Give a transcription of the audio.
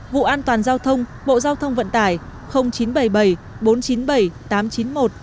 chín trăm ba mươi tám ba trăm tám mươi bảy vụ an toàn giao thông bộ giao thông vận tải chín trăm bảy mươi bảy bốn trăm chín mươi bảy tám trăm chín mươi một